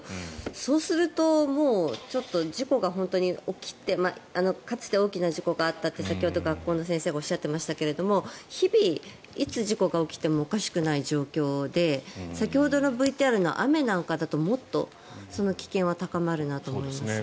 そうするともう、ちょっと事故が本当に起きてかつて大きな事故があったと先ほど学校の先生がおっしゃっていましたが日々、いつ事故が起きてもおかしくない状況で先ほどのＶＴＲの雨なんかだと、もっと危険は高まるなと思いますね。